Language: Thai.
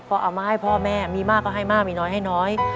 พอเอามาให้พ่อแม่มีมากก็ให้มากมีน้อยให้น้อย